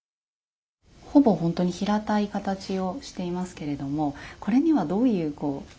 ほぼ平たい形をしていますけれどもこれにはどういう？